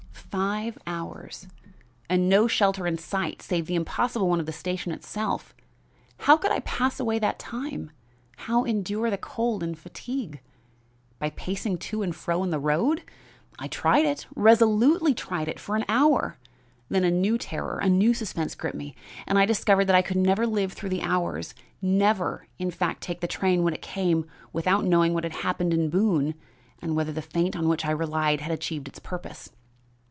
"Five hours! and no shelter in sight save the impossible one of the station itself. How could I pass away that time! How endure the cold and fatigue? By pacing to and fro in the road? I tried it, resolutely tried it, for an hour, then a new terror, a new suspense, gripped me, and I discovered that I could never live through the hours; never, in fact, take the train when it came without knowing what had happened in Boone and whether the feint on which I relied had achieved its purpose.